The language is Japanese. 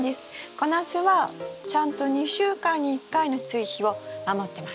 小ナスはちゃんと２週間に１回の追肥を守ってます。